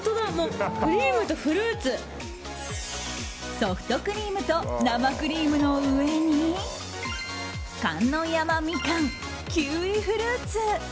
ソフトクリームと生クリームの上に観音山みかん、キウイフルーツ